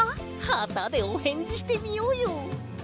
はたでおへんじしてみようよ！